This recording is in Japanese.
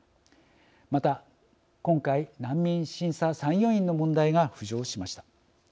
また、今回、難民審査参与員の問題が浮上しました。